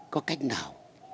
có cách nào